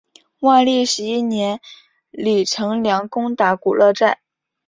万历十一年李成梁攻打古勒寨。